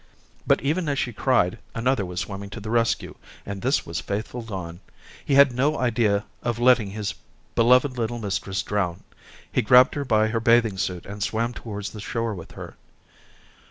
But even as she cried another was swimming to the rescue, and this was faithful Don. He had no idea of letting his beloved little mistress drown. He grabbed her by her bathing suit and swam towards the shore with her.